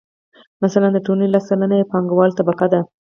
مثلاً د ټولنې لس سلنه یې پانګواله طبقه ده